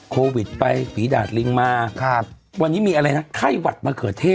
โควิดไปฝีดาดลิงมาครับวันนี้มีอะไรนะไข้หวัดมะเขือเทศ